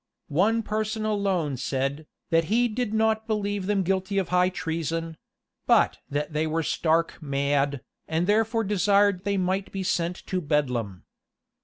One person alone said, that he did not believe them guilty of high treason; but that they were stark mad, and therefore desired they might be sent to bedlam.